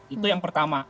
itu yang pertama